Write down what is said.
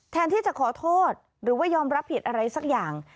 แทนที่จะขอโทษหรือว่ายอมรับผิดอะไรสักอย่าง